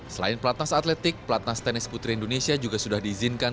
selain pelatnas atletik pelatnas tenis putri indonesia juga sudah diizinkan